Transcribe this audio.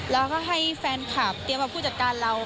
แล้วก็ให้แฟนคลับเตรียมกับผู้จัดการเรา